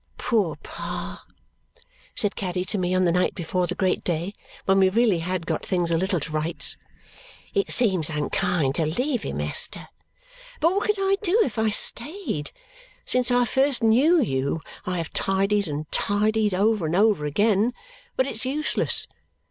"Poor Pa!" said Caddy to me on the night before the great day, when we really had got things a little to rights. "It seems unkind to leave him, Esther. But what could I do if I stayed! Since I first knew you, I have tidied and tidied over and over again, but it's useless.